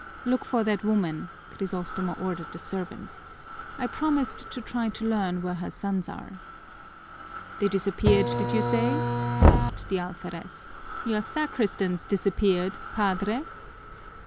"Look for that woman," Crisostomo ordered the servants. "I promised to try to learn where her sons are." "They disappeared, did you say?" asked the alferez. "Your sacristans disappeared, Padre?"